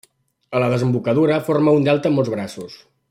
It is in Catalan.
A la desembocadura, forma un delta amb molts braços.